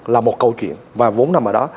là một câu chuyện và vốn nằm ở đó